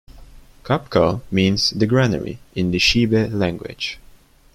"Qapqal" means "the granary" in the Xibe language.